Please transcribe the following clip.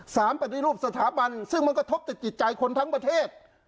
ปฏิรูปสถาบันซึ่งมันกระทบติดจิตใจคนทั้งประเทศ